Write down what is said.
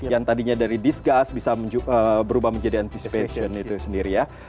yang tadinya dari discuss bisa berubah menjadi anticipation itu sendiri ya